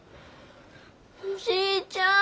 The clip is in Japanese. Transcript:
おじいちゃん。